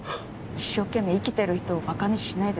「一生懸命生きてる人をバカにしないで。